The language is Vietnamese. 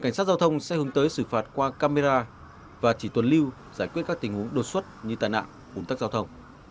cảnh sát giao thông sẽ hướng tới xử phạt qua camera và chỉ tuần lưu giải quyết các tình huống đột xuất như tai nạn ủn tắc giao thông